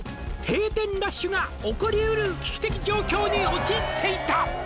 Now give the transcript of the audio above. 「閉店ラッシュが起こりうる危機的状況に陥っていた！」